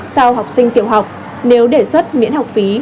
sau học sinh tiểu học nếu đề xuất miễn học phí